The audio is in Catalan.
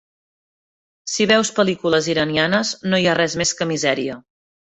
Si veus pel·lícules iranianes no hi ha res més que misèria.